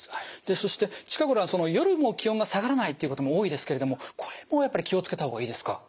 そして近頃は夜も気温が下がらないっていうことも多いですけれどもこれもやっぱり気を付けた方がいいですか？